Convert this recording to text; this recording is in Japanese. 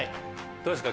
どうですか？